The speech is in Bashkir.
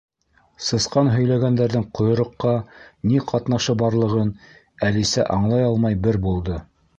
Сысҡан һөйләгәндәрҙең ҡойроҡҡа ни ҡатнашы барлығын Әлисә аңлай алмай бер булды.